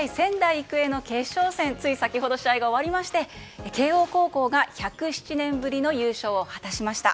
育英の決勝戦つい先ほど、試合が終わりまして慶應高校が、１０７年ぶりの優勝を果たしました。